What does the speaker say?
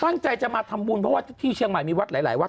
ตั้งใจจะมาทำบุญเพราะว่าที่เชียงใหม่มีวัดหลายวัด